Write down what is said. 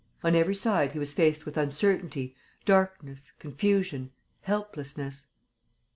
On every side he was faced with uncertainty, darkness, confusion, helplessness.